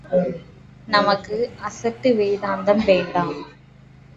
நமக்கு அசட்டு வேதாந்தம் வேண்டாம்.